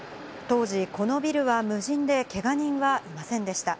当時、このビルは無人で、けが人はいませんでした。